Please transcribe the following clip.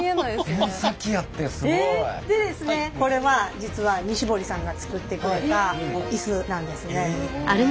これは実は西堀さんが作ってくれたイスなんですね。